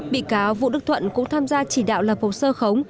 bị cáo vũ đức thuận cũng tham gia chỉ đạo lập hồ sơ khống